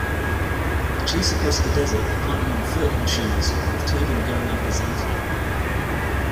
A chase across the desert, partly on foot, ensues, with Tobin going after Zanti.